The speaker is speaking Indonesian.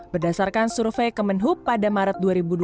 berdasarkan survei kemenhub pada maret dua ribu dua puluh dua